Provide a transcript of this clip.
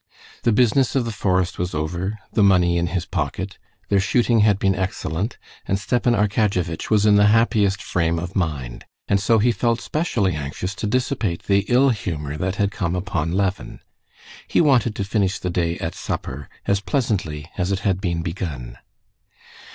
The business of the forest was over, the money in his pocket; their shooting had been excellent, and Stepan Arkadyevitch was in the happiest frame of mind, and so he felt specially anxious to dissipate the ill humor that had come upon Levin. He wanted to finish the day at supper as pleasantly as it had been begun.